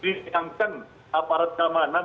disiangkan aparat keamanan